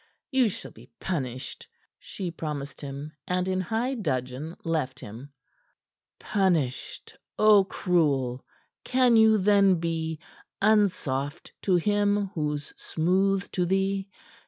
"You shall be punished," she promised him, and in high dudgeon left him. "Punished? Oh, cruel! Can you then be "'Unsoft to him who's smooth to thee?